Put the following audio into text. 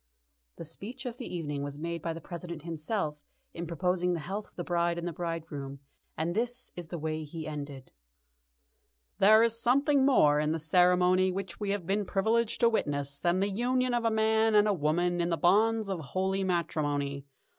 The speech of the evening was made by the President himself in proposing the health of the bride and bridegroom, and this is the way he ended: "There is something more in the ceremony which we have been privileged to witness than the union of a man and a woman in the bonds of holy matrimony.